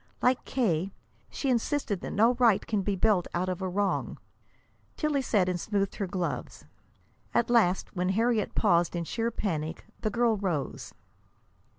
Like K., she insisted that no right can be built out of a wrong. Tillie sat and smoothed her gloves. At last, when Harriet paused in sheer panic, the girl rose.